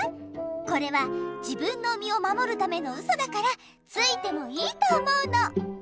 これは自分の身をまもるためのウソだからついてもいいと思うの！